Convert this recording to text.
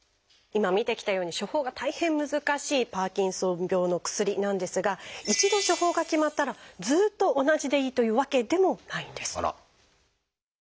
今見てきたように処方が大変難しいパーキンソン病の薬なんですが一度処方が決まったらずっと同じでいいというわけでもないんです。